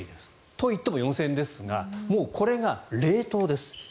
といっても４０００円ですがもうこれが冷凍です。